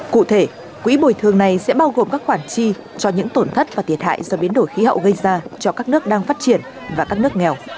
cụ thể quỹ bồi thường này sẽ bao gồm các khoản chi cho những tổn thất và thiệt hại do biến đổi khí hậu gây ra cho các nước đang phát triển và các nước nghèo